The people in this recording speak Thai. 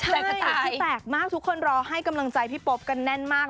แต่คติแตกมากทุกคนรอให้กำลังใจพี่โป๊บกันแน่นมาก